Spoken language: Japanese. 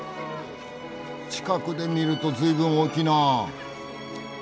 近くで見るとずいぶん大きいなあ。